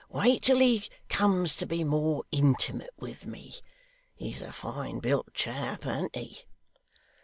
Wait till he comes to be more intimate with me. He's a fine built chap, an't he?